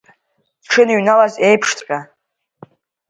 Дшынҩналаз еиԥшҵәҟьа…